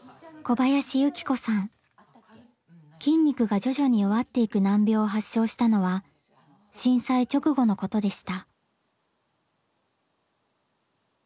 筋肉が徐々に弱っていく難病を発症したのは震災直後のことでした。